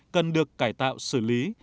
cần được cải tạo xử lý